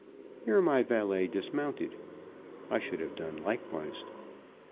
Here my valet dismounted; I should have done likewise.